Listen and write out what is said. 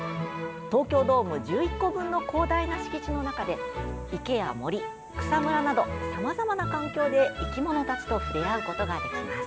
東京ドーム１１個分の広大な敷地の中で池や森、草むらなどさまざまな環境で生き物たちと触れ合うことができます。